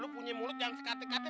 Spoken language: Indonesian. lo punya mulut jangan sekate kate